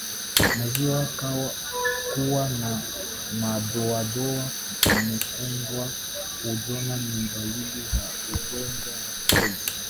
Maziwa kuwa na madoadoa mekundu au njano ni dalili za ugonjwa wa kiwele